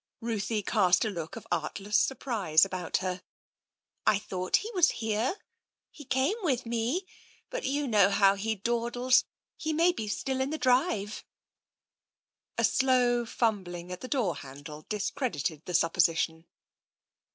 Ruthie cast a look of artless surprise about her. " I thought he was here. He came with me — but you know how he dawdles. He may be still in the drive.'* A slow fumbling at the door handle discredited the supposition.